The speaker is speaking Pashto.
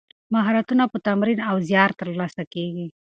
مهارتونه په تمرین او زیار ترلاسه کیږي.